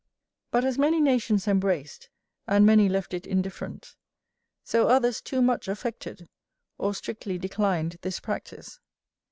But as many nations embraced, and many left it indifferent, so others too much affected, or strictly declined this practice.